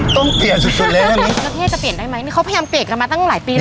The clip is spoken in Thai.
ต้องเปลี่ยนสุดสุดเลยได้ไหมประเทศจะเปลี่ยนได้ไหมนี่เขาพยายามเปลี่ยนกันมาตั้งหลายปีแล้ว